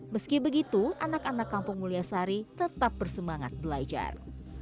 meski begitu anak anak kampung mulyasari tetap bersemangat belajar